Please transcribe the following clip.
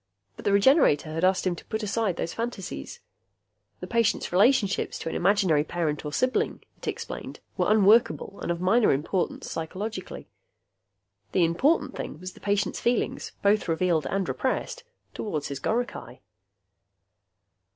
But the Regenerator had asked him to put aside those fantasies. The patient's relationships to an imaginary parent or sibling, it explained, were unworkable and of minor importance psychologically. The important thing was the patient's feelings both revealed and repressed toward his goricae.